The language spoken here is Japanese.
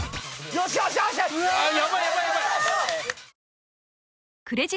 よしよしよしっ。